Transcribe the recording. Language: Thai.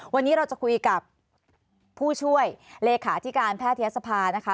วันนี้เราจะคุยกับผู้ช่วยเลขาธิการแพทยศภานะคะ